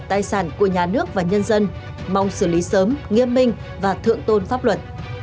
tài sản của nhà nước và nhân dân mong xử lý sớm nghiêm minh và thượng tôn pháp luật